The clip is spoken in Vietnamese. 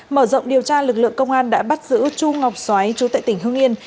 mở rộng điều tra lực lượng công an đã bắt giữ chu ngọc xoái trú tại tỉnh hưng yên